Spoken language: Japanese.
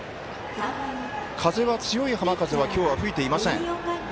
強い浜風は今日吹いていません。